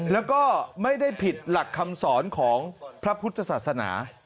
แล้วก็ไม่ได้ผิดหลักคำสอนของพระพุทธศาสนา